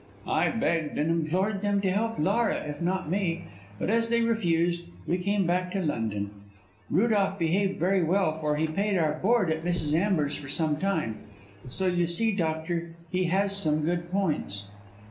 I begged and implored them to help Laura, if not me, but as they refused we came back to London. Rudolph behaved very well, for he paid our board at Mrs. Amber's for some time; so you see, doctor, he has some good points."